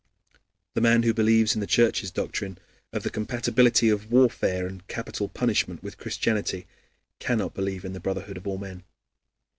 The man who believes in the Church's doctrine of the compatibility of warfare and capital punishment with Christianity cannot believe in the brotherhood of all men.